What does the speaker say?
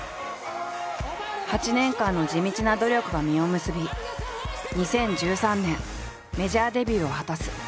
８年間の地道な努力が実を結び２０１３年メジャーデビューを果たす。